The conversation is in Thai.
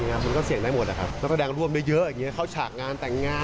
นักแดงร่วมได้เยอะอย่างนี้เข้าฉากงานแต่งงาน